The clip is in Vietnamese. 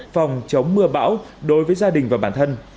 phòng chống mưa bão đối với gia đình và bản thân